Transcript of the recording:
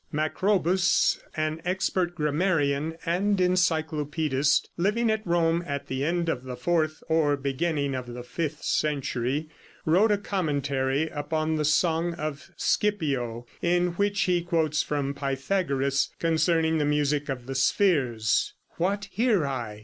Macrobus, an expert grammarian and encyclopedist living at Rome at the end of the fourth or beginning of the fifth century, wrote a commentary upon the song of Scipio, in which he quotes from Pythagoras concerning the music of the spheres: "What hear I?